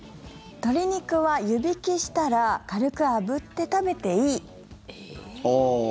鶏肉は湯引きしたら軽くあぶって食べていい。